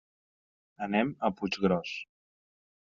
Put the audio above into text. Anem a Puiggròs.